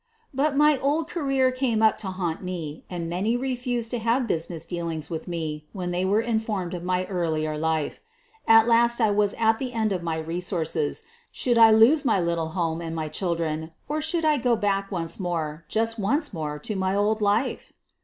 But my old career came up to haunt me and many refused to QUEEN OF THE BURGLARS 27 have business dealings with me when they were informed of my earlier life. At last I was at the end of my resources — should I lose my little home and my children, or should I go back once more, just once more to my old life?"